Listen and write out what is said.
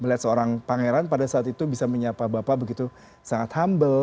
melihat seorang pangeran pada saat itu bisa menyapa bapak begitu sangat humble